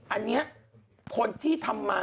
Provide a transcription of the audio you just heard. อันนี้คนที่ทำมา